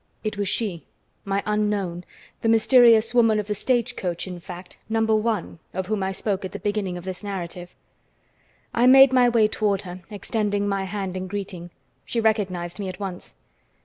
It was she, my unknown, the mysterious woman of the stagecoach, in fact, No. 1, of whom I spoke at the beginning of this narrative. I made my way toward her, extending my hand in greeting. She recognized me at once.